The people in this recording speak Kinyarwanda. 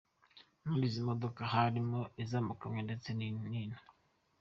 Muri izi modoka harimo iz’amakamyo ndetse n’into.